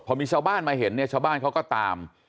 พอมีชาวบ้านมาเห็นเนี่ยชาวบ้านเขาก็ตาม